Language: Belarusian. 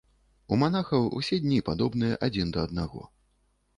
У манахаў усе дні падобныя адзін да аднаго.